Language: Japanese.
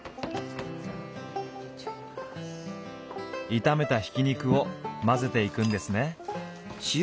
炒めたひき肉を混ぜていくんですね。